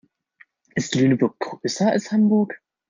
Ist Lüneburg größer als Hamburg?